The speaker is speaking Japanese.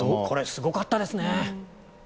これ、すごかったですね。